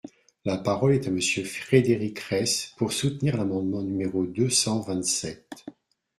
La parole est à Monsieur Frédéric Reiss, pour soutenir l’amendement numéro deux cent vingt-sept.